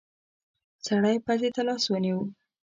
سړی پزې ته لاس ونيو.